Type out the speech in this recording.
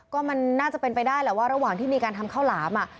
ก็มันน่าจะเป็นไปได้แหละว่าระหว่างที่มีการทำข้าวหลาม